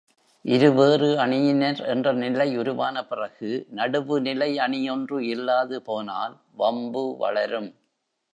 இருவேறு அணியினர் என்ற நிலை உருவான பிறகு, நடுவுநிலை அணி ஒன்று இல்லாது போனால் வம்பு வளரும்.